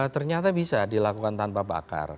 ternyata bisa dilakukan tanpa bakar